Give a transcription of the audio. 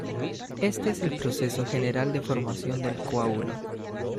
Este es el proceso general de formación del coágulo.